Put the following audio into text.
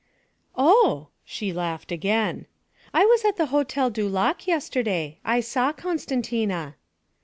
'Oh!' she laughed again. 'I was at the Hotel du Lac yesterday; I saw Costantina.'